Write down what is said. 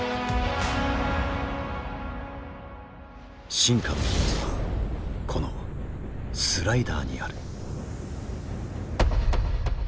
進化の秘密はこのスライダーにある。